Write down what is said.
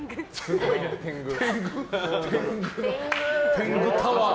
天狗タワー。